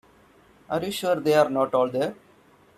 Are you sure they are not all there?